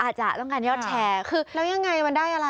อาจจะต้องการยอดแชร์คือแล้วยังไงมันได้อะไร